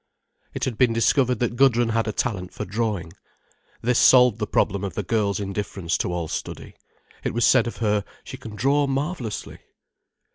It had been discovered that Gudrun had a talent for drawing. This solved the problem of the girl's indifference to all study. It was said of her, "She can draw marvellously."